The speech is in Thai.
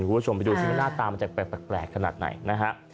ก็ค่ะเป็นการเสิร์ฟแบบเป็นการสร้างอสิทธิศาสตร์ให้นะครับ